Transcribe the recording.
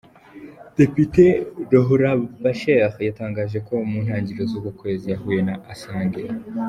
Depite Rohrabacher yatangaje ko mu ntangiriro z’uku kwezi yahuye na Assange.